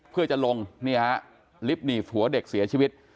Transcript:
เพื่อจะลงนี่ฮะลิฟต์หนีบผัวเด็กเสียชีวิต